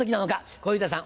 小遊三さん